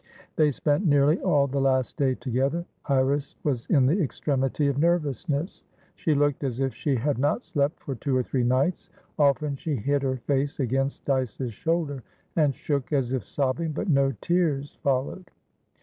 They spent nearly all the last day together. Iris was in the extremity of nervousness; she looked as if she had not slept for two or three nights; often she hid her face against Dyce's shoulder, and shook as if sobbing, but no tears followed.